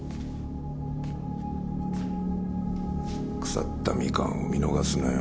腐ったミカンを見逃すなよ。